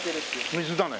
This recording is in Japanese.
水だね。